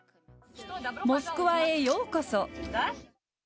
モスクワへようこそ。